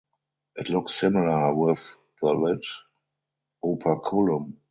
It looks similar with the lid (operculum).